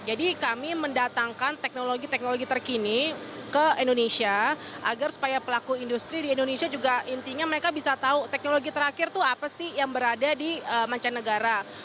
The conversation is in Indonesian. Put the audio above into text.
jadi kami mendatangkan teknologi teknologi terkini ke indonesia agar supaya pelaku industri di indonesia juga intinya mereka bisa tahu teknologi terakhir itu apa sih yang berada di mancanegara